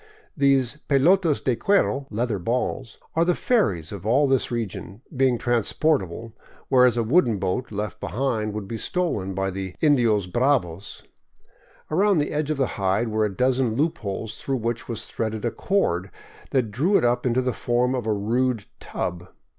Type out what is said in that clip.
These " pelotas de cuero " ("leather balls ") are the ferries of all this region, being transportable, whereas a wooden boat, left behind, would be stolen by the " indios bravos." Around the edge of the hide were a dozen loop holes through which was threaded a cord that drew it up into the form of a rude tub.